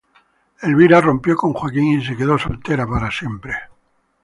Elvira rompió con Joaquín y se quedó soltera para siempre.